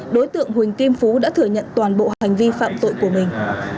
đối tượng huỳnh kim phú đã thừa nhận toàn bộ hành vi phạm tội của mình